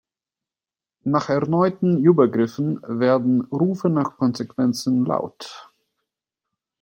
Nach erneuten Übergriffen werden Rufe nach Konsequenzen laut.